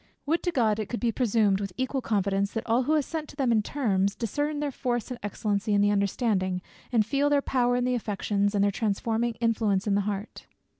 Would to God it could be presumed, with equal confidence, that all who assent to them in terms, discern their force and excellency in the understanding, and feel their power in the affections, and their transforming influence in the heart.